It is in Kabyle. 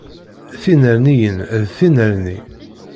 Tinerniyin d tinerni.